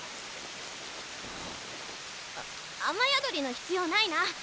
あ雨宿りの必要ないな。